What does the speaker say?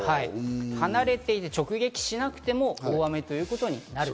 離れていて直撃しなくても大雨ということになる。